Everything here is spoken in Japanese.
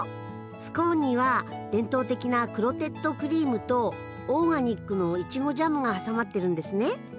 スコーンには伝統的なクロテッドクリームとオーガニックのイチゴジャムが挟まってるんですね。